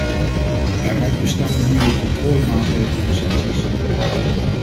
Waaruit bestaan de nieuwe controlemaatregelen en sancties?